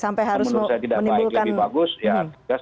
menurut saya tidak baik lebih bagus ya